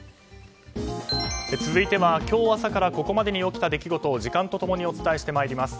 続いては今日朝からここまでに起きた出来事を時間と共にお伝えしてまいります。